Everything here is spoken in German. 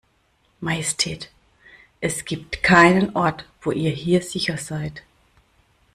Majestät, es gibt keinen Ort wo ihr hier sicher seid.